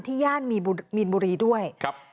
ที่ย่านมีนบุรีด้วย